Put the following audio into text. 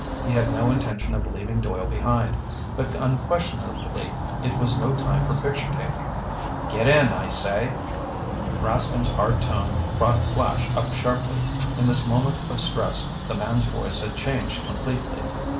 He had no intention of leaving Doyle behind. But unquestionably, it was no time for picture taking. "Get in, I say!" Rascomb's hard tone brought Flash up sharply. In this moment of stress, the man's voice had changed completely.